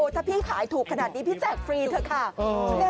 ถ้าพี่ขายถูกขนาดนี้พี่แจ้งฟรีเพิ่มด้วยครับ